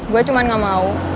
gue cuman gak mau